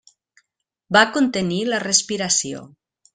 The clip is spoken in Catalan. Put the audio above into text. Va contenir la respiració.